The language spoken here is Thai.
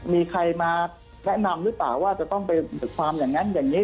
มีใครมาแนะนำหรือเปล่าว่าจะต้องไปความอย่างนั้นอย่างนี้